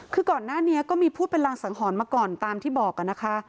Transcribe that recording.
คือก่อนหน้านี้ก็มีพูดเป็นรางสังหรณ์มาก่อนตามที่บอกนะคะ